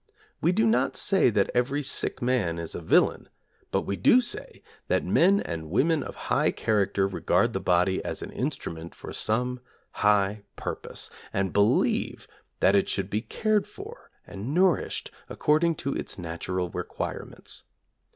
We do not say that every sick man is a villain, but we do say that men and women of high character regard the body as an instrument for some high purpose, and believe that it should be cared for and nourished according to its natural requirements.